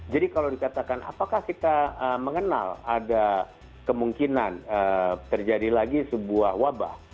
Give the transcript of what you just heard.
jadi kalau dikatakan apakah kita mengenal ada kemungkinan terjadi lagi sebuah wabah